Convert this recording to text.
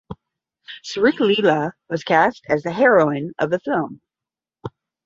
Sree Leela was cast as the heroine of the film.